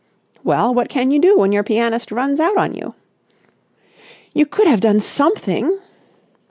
"Well, what can you do when your pianist runs out on you?" "You could have done _something!